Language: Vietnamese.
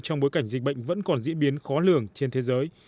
trong bối cảnh dịch bệnh vẫn còn diễn biến khó lường trên thế giới